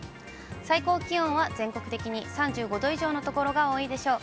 最高気温は全国的に３５度以上の所が多いでしょう。